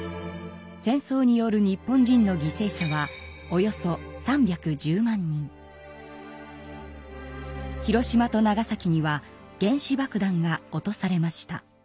戦争による日本人の広島と長崎には原子爆弾が落とされました。